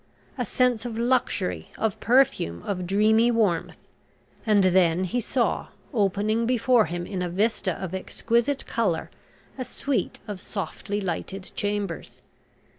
A sense of luxury, of perfume, of dreamy warmth, and then he saw, opening before him in a vista of exquisite colour, a suite of softly lighted chambers.